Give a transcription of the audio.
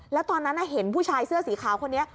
แล้วตอนนั้นเห็นผู้ชายเสื้อสีขาวคนนี้